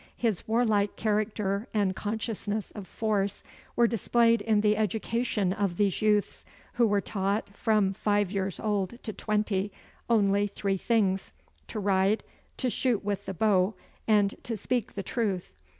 His warlike character and consciousness of force were displayed in the education of these youths, who were taught, from five years old to twenty, only three things to ride, to shoot with the bow, and to speak the truth.